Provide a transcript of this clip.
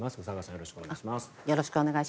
よろしくお願いします。